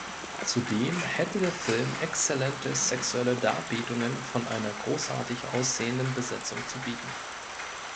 Zudem hätte der Film exzellente sexuelle Darbietungen von einer großartig aussehenden Besetzung zu bieten.